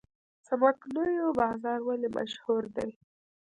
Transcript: څمکنیو بازار ولې مشهور دی؟